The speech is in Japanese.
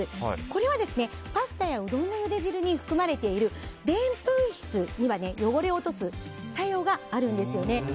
これはパスタやうどんのゆで汁に含まれているでんぷん質には汚れを落とす作用があるんですね。